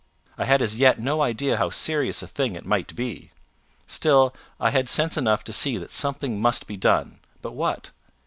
I had as yet no idea of how serious a thing it might be. Still I had sense enough to see that something must be done but what?